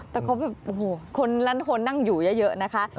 แต่เขาแบบโอ้โหคนล้านคนนั่งอยู่เยอะนะคะ